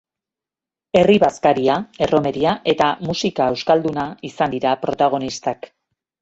Herri-bazkaria, erromeria eta musika euskalduna izan dira protagonistak.